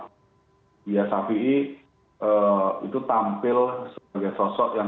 buya syafi'i itu tampil sebagai sosok yang